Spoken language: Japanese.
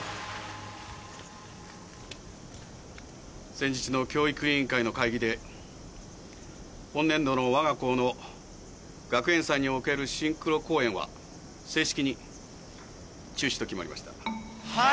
先日の教育委員会の会議で本年度の我が校の学園祭におけるシンクロ公演は正式に中止と決まりました。